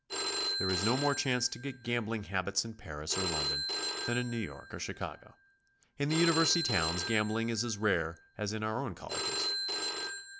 There is no more chance to get gambling habits in Paris or London, than in New York or Chicago. In the university towns gambling is as rare as in our own colleges.